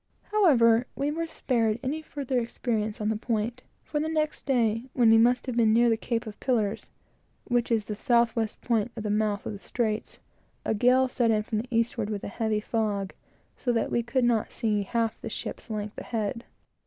However, we were spared any further experience on the point; for the next day, when we must have been near the Cape of Pillars, which is the south west point of the mouth of the straits, a gale set in from the eastward, with a heavy fog, so that we could not see half of the ship's length ahead.